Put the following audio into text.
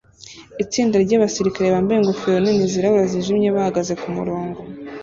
Itsinda ryabasirikare bambaye ingofero nini zirabura zijimye bahagaze kumurongo